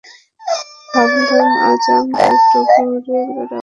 ভাবলাম, আজ আমরা একটু ঘুরে বেড়াব?